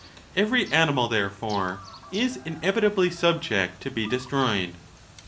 Every animal, therefore, is inevitably subject to be destroyed.